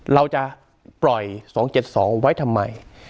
เราจะปล่อย๒๗๒ไว้ทำไม